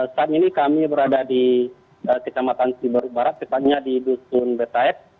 saat ini kami berada di kecamatan siberut barat sepertinya di dusun betahet